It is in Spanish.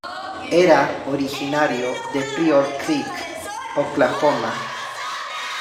Era originario de Pryor Creek, Oklahoma.